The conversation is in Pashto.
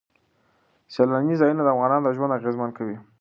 سیلانی ځایونه د افغانانو ژوند اغېزمن کوي.